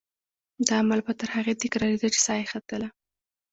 دا عمل به تر هغې تکرارېده چې سا یې ختله.